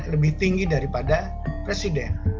lebih tinggi daripada presiden